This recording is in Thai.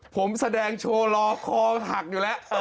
ผมแสดงโชว์รอคอหักอยู่แล้ว